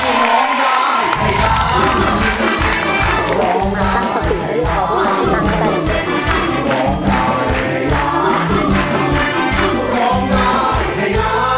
ร้องได้ให้ได้ร้องได้ให้ได้